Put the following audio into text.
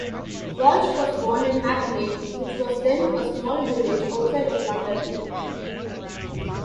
Walsh was born in Hackney, which was then a small village outside of London.